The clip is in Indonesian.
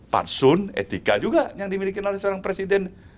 patsun etika juga yang dimiliki oleh seorang presiden